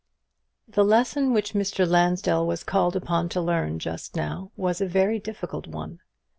The lesson which Mr. Lansdell was called upon to learn just now was a very difficult one.